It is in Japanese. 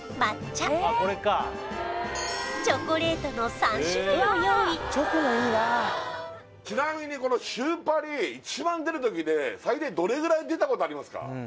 抹茶チョコレートの３種類を用意ちなみにこのシューパリ一番出る時で最大どれぐらい出たことありますか？